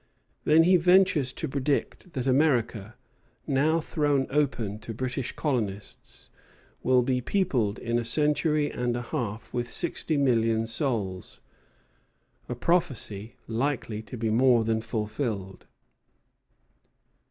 Then he ventures to predict that America, now thrown open to British colonists, will be peopled in a century and a half with sixty million souls: a prophecy likely to be more than fulfilled.